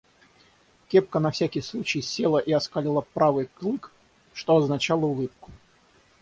Кепка на всякий случай села и оскалила правый клык, что означало улыбку.